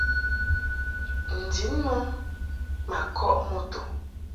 N-din mɨ ma kɔʼ moto.